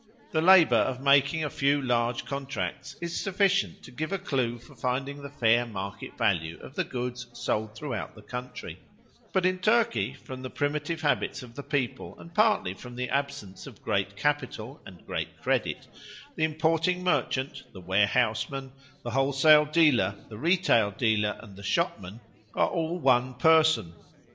The labour of making a few large contracts is sufficient to give a clue for finding the fair market value of the goods sold throughout the country; but in Turkey, from the primitive habits of the people, and partly from the absence of great capital and great credit, the importing merchant, the warehouseman, the wholesale dealer, the retail dealer, and the shopman, are all one person.